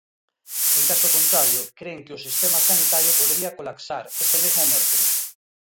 En caso contrario, cren que o sistema sanitario podería colapsar este mesmo mércores.